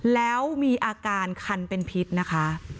แล้วมีอาการคันเป็นพิษนะคะ